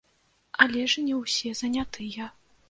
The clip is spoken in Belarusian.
Але ж не ўсе занятыя.